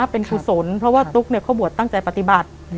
เป็นกุศลเพราะว่าตุ๊กเขาบวชตั้งใจปฏิบัติ